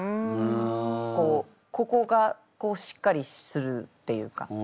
こうここがしっかりするっていうか。